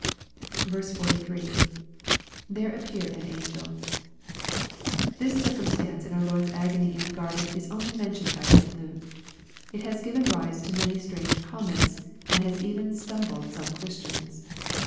43. — [There appeared an angel] Thia_circumstance in our Lord's agony in the garden is only^entioned by St. Luke. It has given rise to many strange comments, and has even stumbled some Christians.